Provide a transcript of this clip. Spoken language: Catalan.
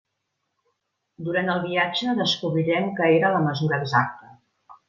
Durant el viatge descobrirem que era la mesura exacta.